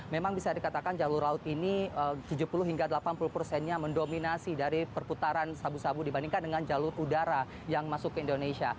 memang bisa dikatakan jalur laut ini tujuh puluh hingga delapan puluh persennya mendominasi dari perputaran sabu sabu dibandingkan dengan jalur udara yang masuk ke indonesia